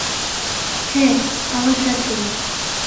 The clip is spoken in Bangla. হ্যাঁ, আমার সাথেই।